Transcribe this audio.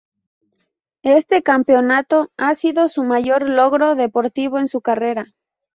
Este campeonato ha sido su mayor logro deportivo en su carrera.